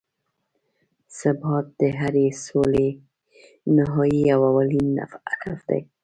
ثبات د هرې سولې نهایي او اولین هدف دی.